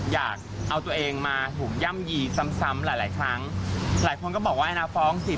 แต่ตัวนี้มันต้องนอกไป